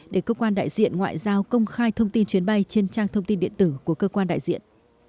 để cơ quan đại diện ngoại giao công khai thông tin chuyến bay trên trang thông tin điện tử của cơ quan đại diện